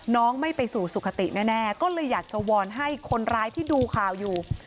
น้องไม่ไปสู่สุขติแน่ก็เลยอยากจะวอนให้คนร้ายที่ดูข่าวอยู่